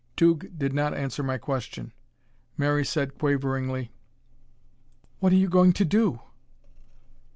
Tugh did not answer my question. Mary said quaveringly: "What are you going to do?"